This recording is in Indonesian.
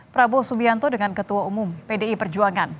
prabowo subianto dengan ketua umum pdi perjuangan